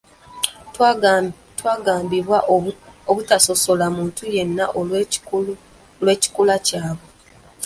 Twagambibwa obutasosola muntu yenna olw'ekikula kyabwe.